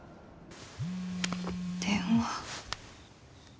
電話。